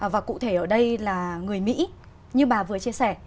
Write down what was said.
và cụ thể ở đây là người mỹ như bà vừa chia sẻ